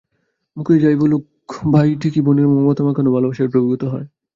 মুখে যাই বলুক, ভাই ঠিকই বোনের মমতা মাখানো ভালোবাসায় দ্রবীভূত হয়।